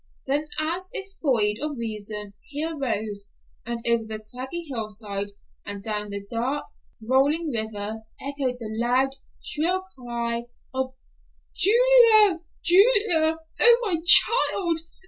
Then, as if void of reason, he arose, and over the craggy hillside and down the dark, rolling river echoed the loud, shrill cry of, "Julia, Julia, oh, my child!